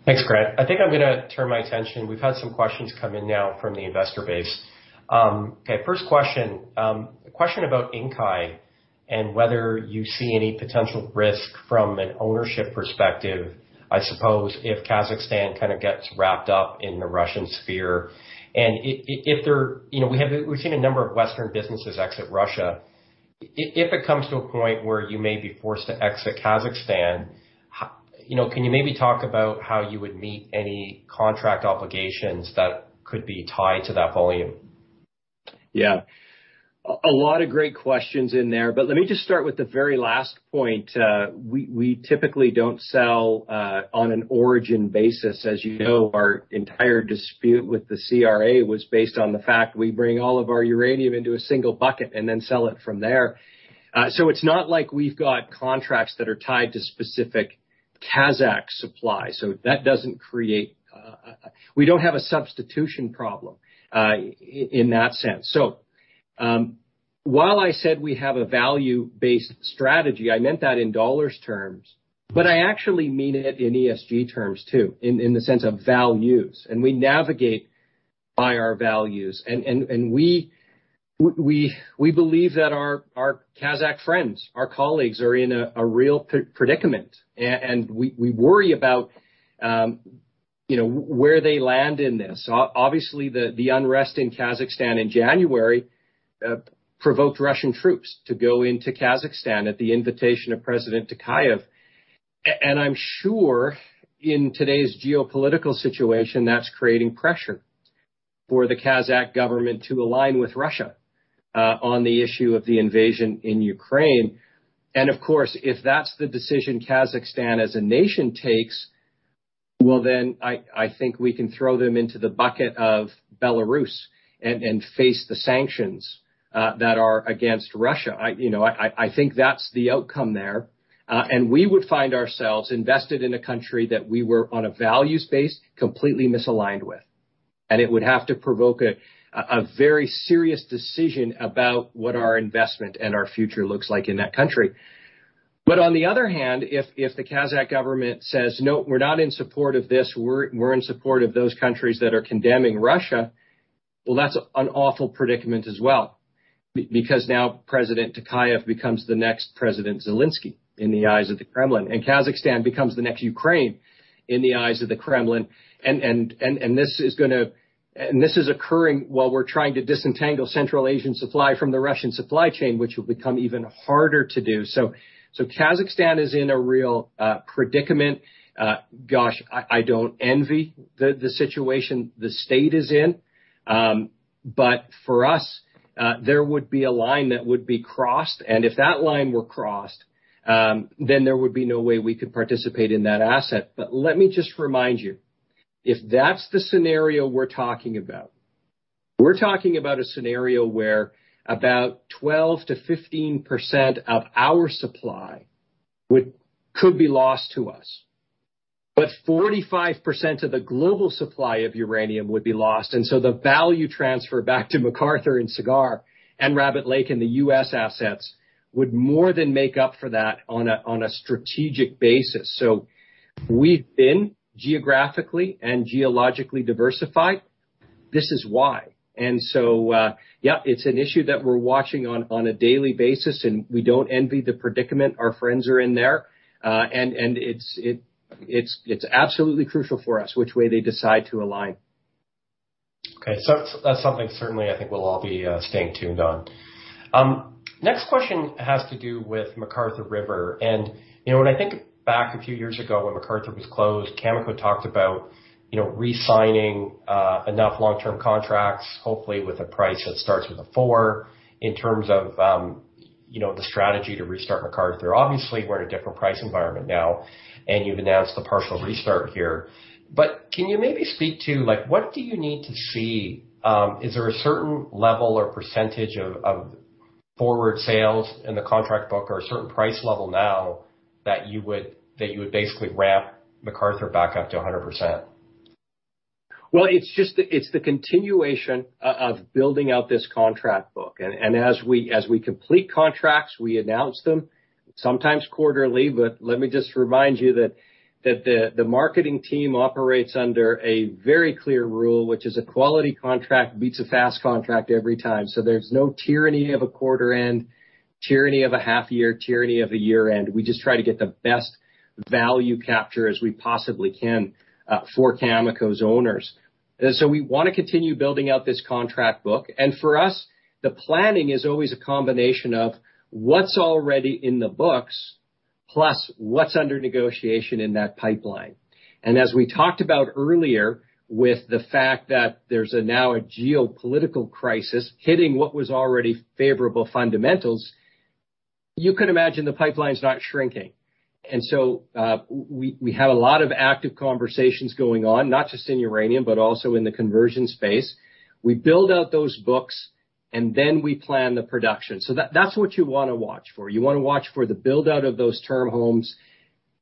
Thanks, Grant. I think I'm gonna turn my attention. We've had some questions come in now from the investor base. Okay, first question. A question about Inkai and whether you see any potential risk from an ownership perspective, I suppose, if Kazakhstan kind of gets wrapped up in the Russian sphere. If you know, we've seen a number of Western businesses exit Russia. If it comes to a point where you may be forced to exit Kazakhstan, you know, can you maybe talk about how you would meet any contract obligations that could be tied to that volume? Yeah. A lot of great questions in there, but let me just start with the very last point. We typically don't sell on an origin basis. As you know, our entire dispute with the CRA was based on the fact we bring all of our uranium into a single bucket and then sell it from there. It's not like we've got contracts that are tied to specific Kazakh supply. We don't have a substitution problem in that sense. While I said we have a value-based strategy, I meant that in dollar terms, but I actually mean it in ESG terms too, in the sense of values. We navigate by our values. We believe that our Kazakh friends, our colleagues are in a real predicament. We worry about, you know, where they land in this. Obviously, the unrest in Kazakhstan in January provoked Russian troops to go into Kazakhstan at the invitation of President Tokayev. I'm sure in today's geopolitical situation, that's creating pressure for the Kazakh government to align with Russia on the issue of the invasion in Ukraine. Of course, if that's the decision Kazakhstan as a nation takes, well, then I think we can throw them into the bucket of Belarus and face the sanctions that are against Russia. You know, I think that's the outcome there. We would find ourselves invested in a country that we were, on a values base, completely misaligned with. It would have to provoke a very serious decision about what our investment and our future looks like in that country. On the other hand, if the Kazakh government says, "No, we're not in support of this. We're in support of those countries that are condemning Russia," well, that's an awful predicament as well. Because now President Tokayev becomes the next President Zelenskyy in the eyes of the Kremlin, and Kazakhstan becomes the next Ukraine in the eyes of the Kremlin. This is occurring while we're trying to disentangle Central Asian supply from the Russian supply chain, which will become even harder to do. Kazakhstan is in a real predicament. Gosh, I don't envy the situation the state is in. For us, there would be a line that would be crossed. If that line were crossed, then there would be no way we could participate in that asset. Let me just remind you, if that's the scenario we're talking about, we're talking about a scenario where about 12%-15% of our supply could be lost to us. 45% of the global supply of uranium would be lost. The value transfer back to McArthur and Cigar and Rabbit Lake and the US assets would more than make up for that on a strategic basis. We've been geographically and geologically diversified. This is why. Yeah, it's an issue that we're watching on a daily basis, and we don't envy the predicament our friends are in there. It's absolutely crucial for us which way they decide to align. Okay. That's something certainly I think we'll all be staying tuned on. Next question has to do with McArthur River. You know, when I think back a few years ago when McArthur was closed, Cameco talked about, you know, re-signing enough long-term contracts, hopefully with a price that starts with a four in terms of, you know, the strategy to restart McArthur. Obviously, we're in a different price environment now, and you've announced the partial restart here. Can you maybe speak to, like, what do you need to see? Is there a certain level or percentage of forward sales in the contract book or a certain price level now that you would basically ramp McArthur back up to 100%? Well, it's the continuation of building out this contract book. As we complete contracts, we announce them, sometimes quarterly. But let me just remind you that the marketing team operates under a very clear rule, which is a quality contract beats a fast contract every time. There's no tyranny of a quarter end, tyranny of a half year, tyranny of a year end. We just try to get the best value capture as we possibly can for Cameco's owners. We wanna continue building out this contract book. For us, the planning is always a combination of what's already in the books plus what's under negotiation in that pipeline. As we talked about earlier with the fact that there's now a geopolitical crisis hitting what was already favorable fundamentals, you can imagine the pipeline's not shrinking. We have a lot of active conversations going on, not just in uranium, but also in the conversion space. We build out those books, and then we plan the production. That's what you wanna watch for. You wanna watch for the build-out of those term books.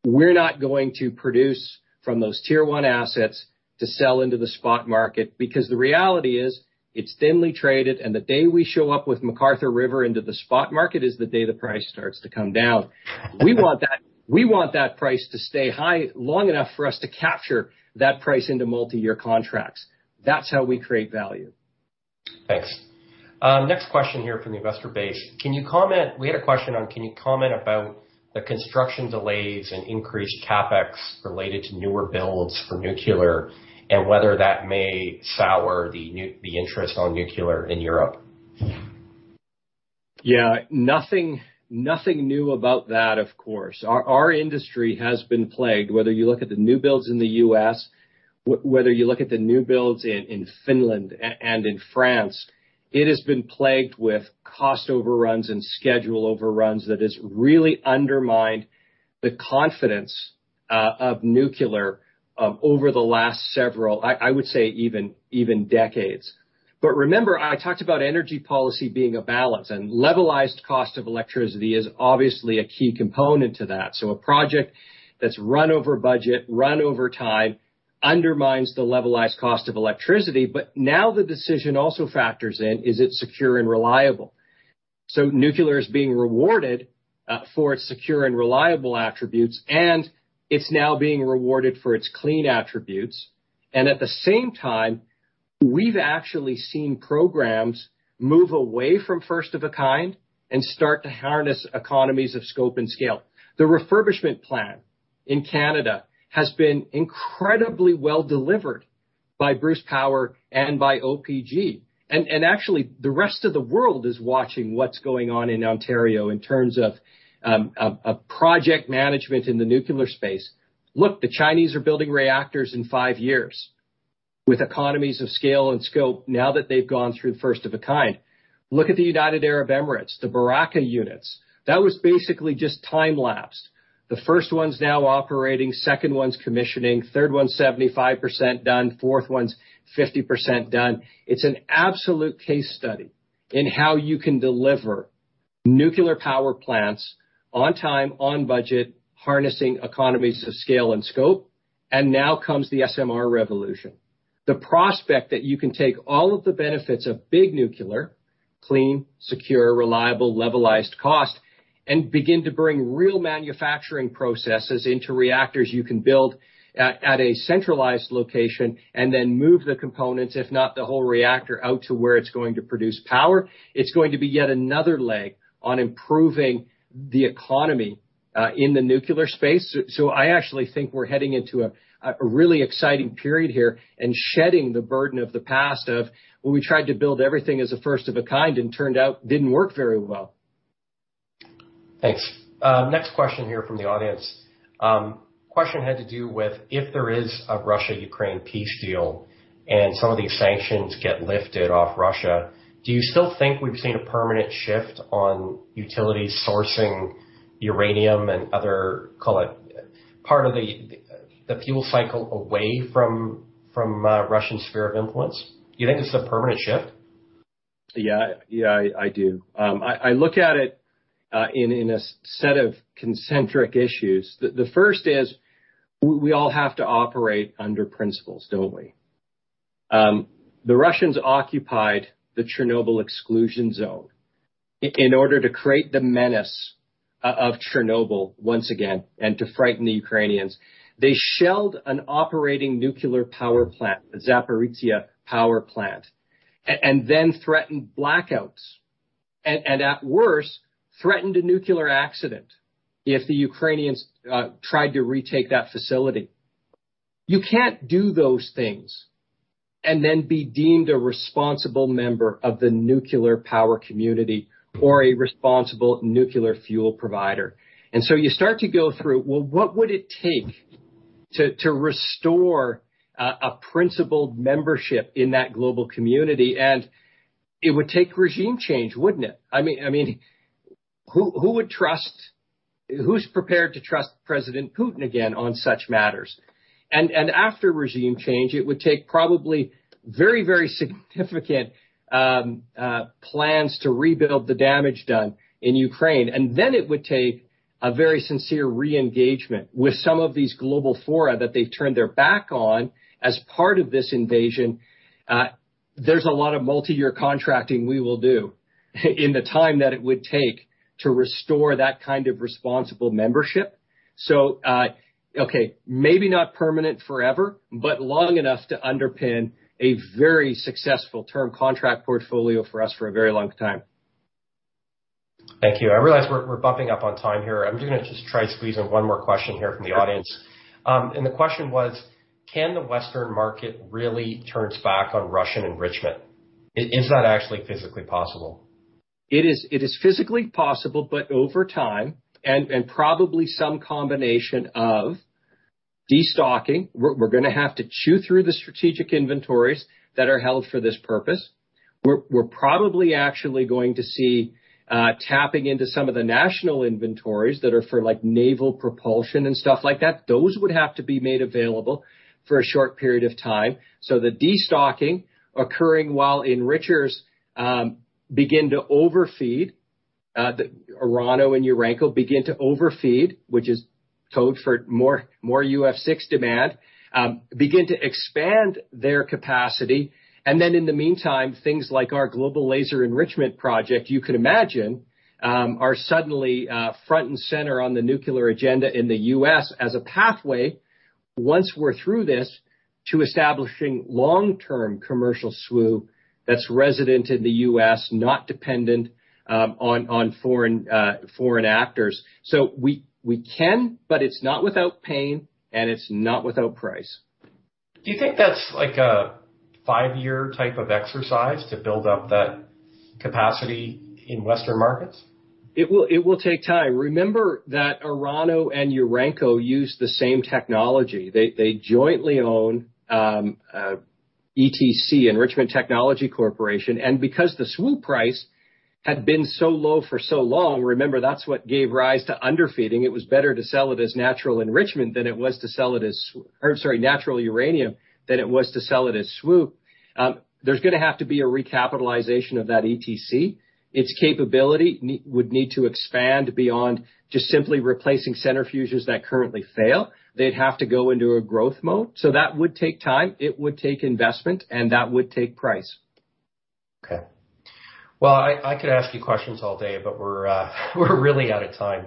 We're not going to produce from those tier one assets to sell into the spot market because the reality is it's thinly traded, and the day we show up with McArthur River into the spot market is the day the price starts to come down. We want that price to stay high long enough for us to capture that price into multi-year contracts. That's how we create value. Thanks. Next question here from the investor base: can you comment about the construction delays and increased CapEx related to newer builds for nuclear and whether that may sour the nuclear interest in nuclear in Europe? Yeah. Nothing new about that, of course. Our industry has been plagued, whether you look at the new builds in the U.S., whether you look at the new builds in Finland and in France. It has been plagued with cost overruns and schedule overruns that has really undermined the confidence of nuclear over the last several. I would say even decades. Remember, I talked about energy policy being a balance, and levelized cost of electricity is obviously a key component to that. A project that's run over budget, run over time undermines the levelized cost of electricity. Now the decision also factors in, is it secure and reliable? Nuclear is being rewarded for its secure and reliable attributes, and it's now being rewarded for its clean attributes. At the same time, we've actually seen programs move away from first of a kind and start to harness economies of scope and scale. The refurbishment plan in Canada has been incredibly well delivered by Bruce Power and by OPG. Actually, the rest of the world is watching what's going on in Ontario in terms of project management in the nuclear space. Look, the Chinese are building reactors in five years with economies of scale and scope now that they've gone through first of a kind. Look at the United Arab Emirates, the Barakah units. That was basically just time-lapsed. The first one's now operating. Second one's commissioning. Third one's 75% done. Fourth one's 50% done. It's an absolute case study in how you can deliver nuclear power plants on time, on budget, harnessing economies of scale and scope. Now comes the SMR revolution. The prospect that you can take all of the benefits of big nuclear, clean, secure, reliable, levelized cost, and begin to bring real manufacturing processes into reactors you can build at a centralized location and then move the components, if not the whole reactor, out to where it's going to produce power, it's going to be yet another leg on improving the economy in the nuclear space. I actually think we're heading into a really exciting period here and shedding the burden of the past of when we tried to build everything as a first of a kind and turned out didn't work very well. Thanks. Next question here from the audience. Question had to do with if there is a Russia-Ukraine peace deal, and some of these sanctions get lifted off Russia, do you still think we've seen a permanent shift on utility sourcing uranium and other, call it, part of the fuel cycle away from Russian sphere of influence? Do you think this is a permanent shift? Yeah. Yeah, I do. I look at it in a set of concentric issues. The first is we all have to operate under principles, don't we? The Russians occupied the Chernobyl exclusion zone in order to create the menace of Chernobyl once again and to frighten the Ukrainians. They shelled an operating nuclear power plant, the Zaporizhzhia power plant, and then threatened blackouts, and at worst threatened a nuclear accident if the Ukrainians tried to retake that facility. You can't do those things and then be deemed a responsible member of the nuclear power community or a responsible nuclear fuel provider. You start to go through, well, what would it take to restore a principled membership in that global community? It would take regime change, wouldn't it? I mean, who would trust... Who's prepared to trust President Putin again on such matters? After regime change, it would take probably very, very significant plans to rebuild the damage done in Ukraine. It would take a very sincere re-engagement with some of these global fora that they've turned their back on as part of this invasion. There's a lot of multiyear contracting we will do in the time that it would take to restore that kind of responsible membership. Okay, maybe not permanent forever, but long enough to underpin a very successful term contract portfolio for us for a very long time. Thank you. I realize we're bumping up on time here. I'm gonna just try squeezing one more question here from the audience. The question was, can the Western market really turn its back on Russian enrichment? Is that actually physically possible? It is physically possible, but over time and probably some combination of destocking. We're gonna have to chew through the strategic inventories that are held for this purpose. We're probably actually going to see tapping into some of the national inventories that are for, like, naval propulsion and stuff like that. Those would have to be made available for a short period of time. The destocking occurring while enrichers begin to overfeed, Orano and Urenco begin to overfeed, which is code for more UF6 demand, begin to expand their capacity. In the meantime, things like our Global Laser Enrichment project, you can imagine, are suddenly front and center on the nuclear agenda in the U.S. as a pathway once we're through this to establishing long-term commercial SWU that's resident in the U.S., not dependent on foreign actors. We can, but it's not without pain, and it's not without price. Do you think that's like a five-year type of exercise to build up that capacity in Western markets? It will take time. Remember that Orano and Urenco use the same technology. They jointly own ETC, Enrichment Technology Company. Because the SWU price had been so low for so long, remember that's what gave rise to underfeeding, it was better to sell it as natural uranium than it was to sell it as SWU. There's gonna have to be a recapitalization of that ETC. Its capability would need to expand beyond just simply replacing centrifuges that currently fail. They'd have to go into a growth mode. That would take time, it would take investment, and that would take price. Okay. Well, I could ask you questions all day, but we're really out of time.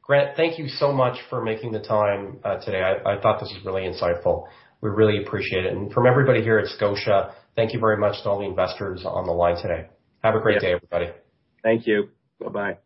Grant, thank you so much for making the time today. I thought this was really insightful. We really appreciate it. From everybody here at Scotia, thank you very much to all the investors on the line today. Have a great day, everybody. Thank you. Bye-bye.